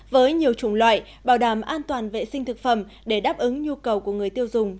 với nhiều chủng loại bảo đảm an toàn vệ sinh thực phẩm để đáp ứng nhu cầu của người tiêu dùng